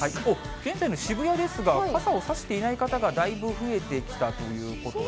現在の渋谷ですが、傘を差していない方がだいぶ増えてきたということで。